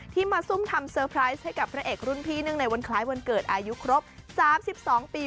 มาซุ่มทำเซอร์ไพรส์ให้กับพระเอกรุ่นพี่เนื่องในวันคล้ายวันเกิดอายุครบ๓๒ปี